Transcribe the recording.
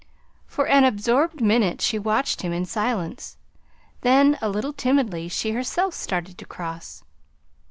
For an absorbed minute she watched him in silence; then, a little timidly, she herself started to cross.